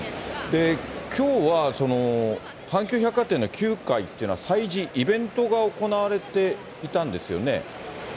きょうは、阪急百貨店の９階というのは催事、イベントが行われていたんですよね。